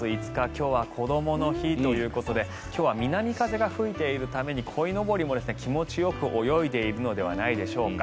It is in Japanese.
今日はこどもの日ということで今日は南風が吹いているためにこいのぼりも気持ちよく泳いでいるのではないでしょうか。